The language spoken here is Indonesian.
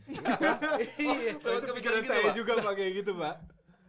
itu pikiran saya juga pak kayak gitu pak